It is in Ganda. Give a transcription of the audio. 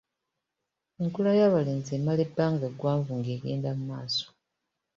Enkula y'abalenzi emala ebbanga ggwanvu ng'egenda mu maaso.